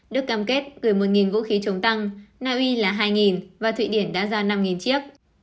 đức cam kết gửi một vũ khí chống tăng naui là hai và thụy điển đã ra năm chiếc